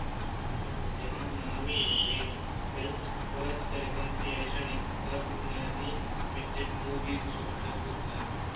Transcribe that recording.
جہان ءِ نامی ئیں فلمساز کمپنیاں ایشانی کارٹون ءُ اینی مٹیڈ موویز جوڑ کتگ اَنت